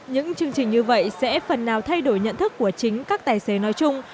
những chương trình như vậy sẽ phần nào thay đổi nhận thức của chính các tài xế nói chung